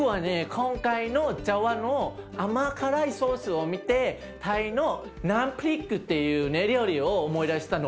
今回のジャワの甘辛いソースを見てタイのナムプリックっていう料理を思い出したの。